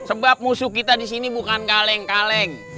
sebab musuh kita disini bukan kaleng kaleng